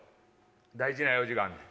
大事な用事があんねん。